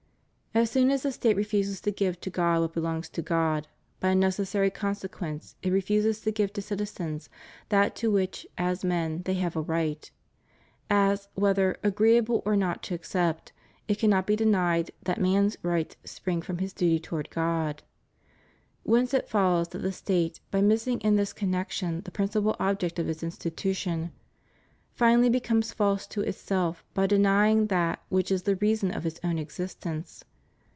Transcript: As soon as the State refuses to give to God what belongs to God, by a necessary consequence it refuses to give to citizens that to which, as men, they have a right; as, whether agreeable or not to accept, it cannot be denied that man's rights spring from his duty toward God. Whence it follows that the State, by missing in this connection the principal object of its institution, finally becomes false to itself by denying that which is the reason of its own existence.